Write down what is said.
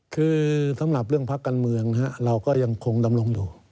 คือสำหรับเรื่องพักการเมืองเราก็ยังคงดำรงอยู่